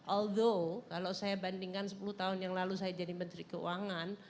aldo kalau saya bandingkan sepuluh tahun yang lalu saya jadi menteri keuangan